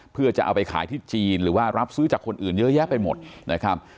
เพื่อจะเอาไปขายที่จีนหรือว่ารับซื้อจากคนอื่นเยอะแยะไปหมดนะครับ